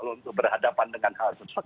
untuk berhadapan dengan hal tersebut